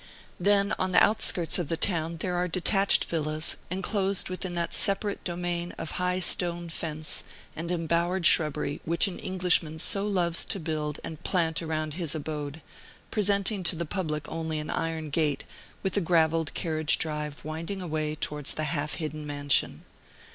Then, on the outskirts of the town, there are detached villas, enclosed within that separate domain of high stone fence and embowered shrubbery which an Englishman so loves to build and plant around his abode, presenting to the public only an iron gate, with a gravelled carriage drive winding away towards the half hidden mansion.